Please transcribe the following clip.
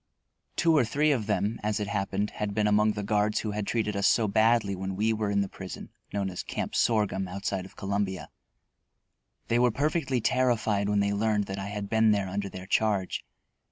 Two or three of them, as it happened, had been among the guards who had treated us so badly while we were in the prison known as "Camp Sorghum," outside of Columbia. They were perfectly terrified when they learned that I had been there under their charge.